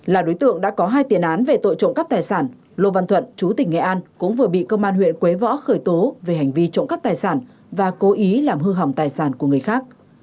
là đối tượng đã có hai tiền án về tội trộm cắp tài sản lô văn thuận chú tỉnh nghệ an cũng vừa bị công an huyện quế võ khởi tố về hành vi trộm cắp tài sản và cố ý làm hư hỏng tài sản của người khác